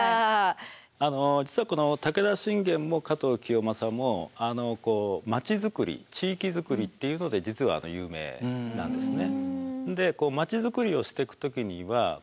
実はこの武田信玄も加藤清正も町づくり地域づくりっていうので実は有名なんですね。